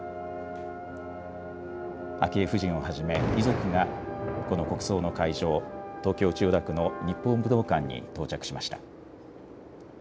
昭恵夫人をはじめ、遺族がこの国葬の会場、東京・千代田区の日本武道館に到着しました。